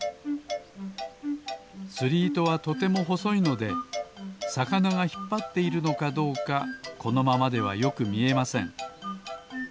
つりいとはとてもほそいのでさかながひっぱっているのかどうかこのままではよくみえません